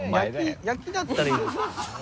焼きだったらいい。